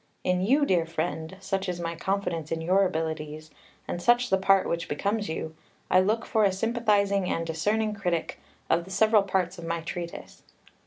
In you, dear friend such is my confidence in your abilities, and such the part which becomes you I look for a sympathising and discerning critic of the several parts of my treatise.